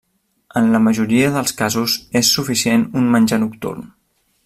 En la majoria dels casos és suficient un menjar nocturn.